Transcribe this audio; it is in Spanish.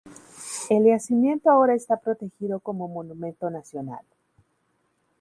El yacimiento ahora está protegido como monumento nacional.